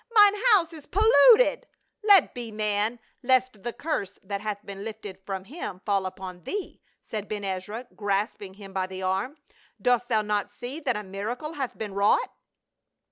" Mine house is polluted !"" Let be, man, lest the curse that hath been lifted from him fall upon thee," said Ben Ezra, grasping him by the arm. " Dost thou not see that a miracle hath been wrought